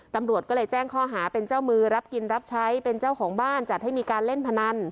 ตำรวจก็เลยแจ้งข้อหาเป็นเจ้ามือรับกินรับใช้เป็นเจ้าของบ้านจัดให้มีการเล่นพนัน